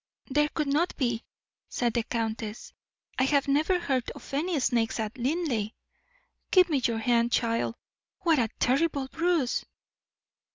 "There could not be," said the countess. "I have never heard of any snakes at Linleigh. Give me your hand, child. What a terrible bruise!"